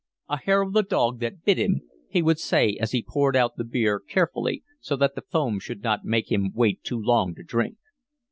"A hair of the dog that bit him," he would say as he poured out the beer, carefully so that the foam should not make him wait too long to drink.